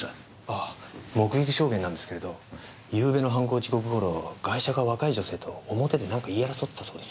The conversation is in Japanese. あ目撃証言なんですけれどゆうべの犯行時刻頃ガイシャが若い女性と表で何か言い争ってたそうです。